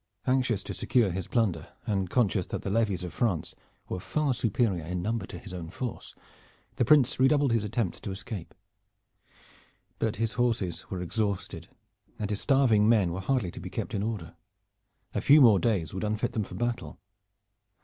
Anxious to secure his plunder, and conscious that the levies of France were far superior in number to his own force, the Prince redoubled his attempts to escape; but his horses were exhausted and his starving men were hardly to be kept in order. A few more days would unfit them for battle.